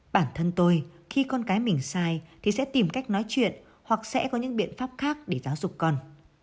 bản thân tôi khi con cái mình sai thì sẽ tìm cách nói chuyện hoặc sẽ có những biện pháp khác để giáo dục con